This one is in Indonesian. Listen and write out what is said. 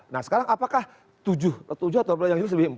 nah sekarang apakah tujuh atau yang itu lebih empat